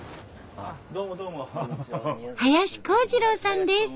林幸治郎さんです。